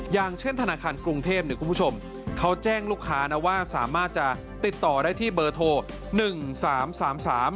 อย่างเช่นธนาคารกรุงเทพฯเขาแจ้งลูกค้านะว่าสามารถจะติดต่อได้ที่เบอร์โทร๑๓๓๓๐๒๖๔๕๕๕๕๕